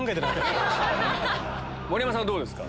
盛山さんはどうですか？